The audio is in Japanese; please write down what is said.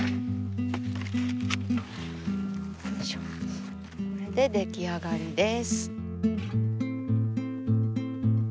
よいしょこれで出来上がりです。